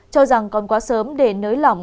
cho rằng còn quá sớm để nới lỏng